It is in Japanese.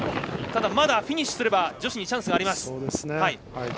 まだフィニッシュすれば女子にチャンスはあります。